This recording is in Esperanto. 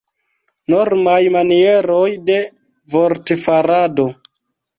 Normaj manieroj de vortfarado.